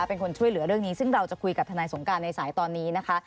เป็นคนช่วยเหลือเรื่องนี้ซึ่งเราจะคุยกับทนายสงการในสายตอนนี้นะคะ